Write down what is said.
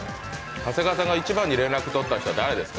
長谷川さんが一番に連絡取った人は誰ですか？